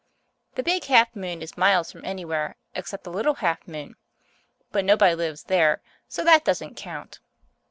The Big Half Moon is miles from anywhere, except the Little Half Moon. But nobody lives there, so that doesn't count.